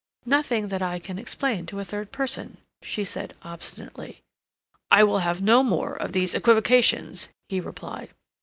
"Nothing that I can explain to a third person," she said obstinately. "I will have no more of these equivocations," he replied.